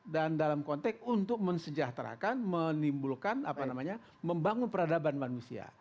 dan dalam konteks untuk mensejahterakan menimbulkan apa namanya membangun peradaban manusia